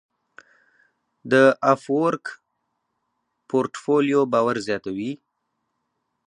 د افورک پورټفولیو باور زیاتوي.